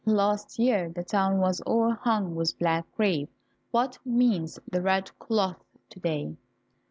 Last year the town was all hung with black crape, what means the red cloth to day?"